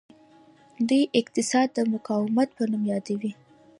دوی اقتصاد د مقاومت په نوم یادوي.